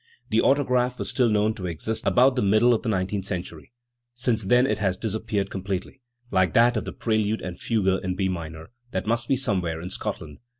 The autograph was still known to exist about the middle of the nineteenth century. Since then it has disappeared completely, like that of the prelude and fugue in B minor, that must be somewhere in Scotland.